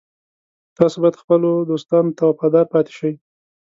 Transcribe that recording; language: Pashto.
تاسو باید خپلو دوستانو ته وفادار پاتې شئ